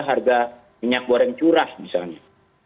harga minyak goreng curah misalnya